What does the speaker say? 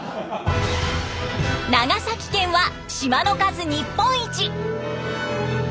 長崎県は島の数日本一！